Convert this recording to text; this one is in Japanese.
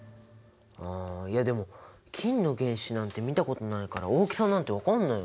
あいやでも金の原子なんて見たことないから大きさなんて分かんないよ。